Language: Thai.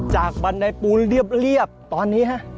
บันไดปูนเรียบตอนนี้ฮะ